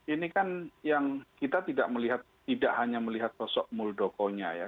ini kan yang kita tidak hanya melihat sosok muldoko nya ya